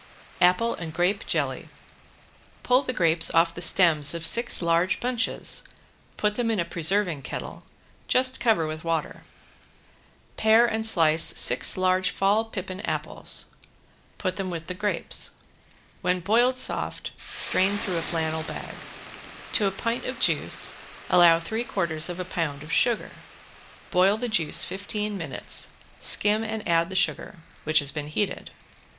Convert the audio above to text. ~APPLE AND GRAPE JELLY~ Pull the grapes off the stems of six large bunches, put them in a preserving kettle, just cover with water. Pare and slice six large fall pippin apples. Put them with the grapes. When boiled soft strain through a flannel bag. To a pint of juice allow three quarters of a pound of sugar. Boil the juice fifteen minutes, skim and add the sugar, which has been heated.